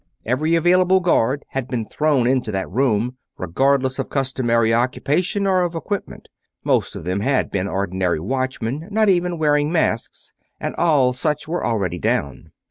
Every available guard had been thrown into that room, regardless of customary occupation or of equipment. Most of them had been ordinary watchmen, not even wearing masks, and all such were already down.